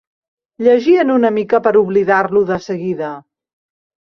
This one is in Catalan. Llegien una mica per oblidar-lo des seguida